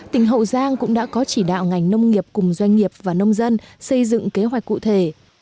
tỉnh hậu giang cũng đã có chỉ đạo ngành nông nghiệp cùng doanh nghiệp và nông dân xây dựng kế hoạch cụ thể